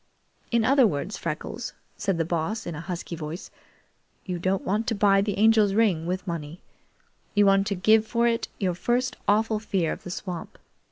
"In other words, Freckles," said the Boss in a husky voice, "you don't want to buy the Angel's ring with money. You want to give for it your first awful fear of the swamp.